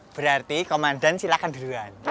berarti komandan silahkan duluan